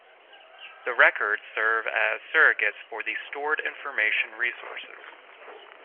The records serve as surrogates for the stored information resources.